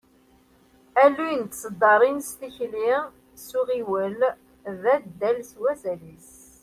Alluy n tseddaṛin s tikli s uɣiwel, d addal s wazal-is.